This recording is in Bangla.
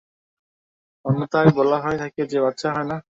অন্যথায়, বলা হয়ে থাকে যে বাচ্চা হয় না?